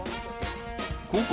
ここ